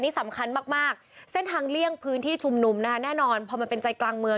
มีการเขาเรียกว่าอะไรรถตักดินเอง